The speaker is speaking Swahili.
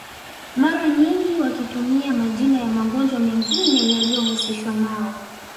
Mara nyingi wakitumia majina ya magonjwa mengine yaliyohusishwa nao